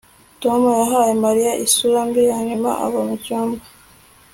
tom yahaye mariya isura mbi hanyuma ava mucyumba